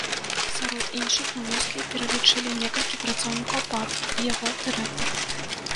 Сярод іншых, унёскі пералічылі некалькі працаўнікоў парку і яго дырэктар.